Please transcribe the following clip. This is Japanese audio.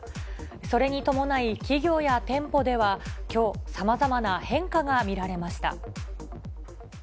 それに伴い、企業や店舗ではきょう、さまざまな変化が見られました。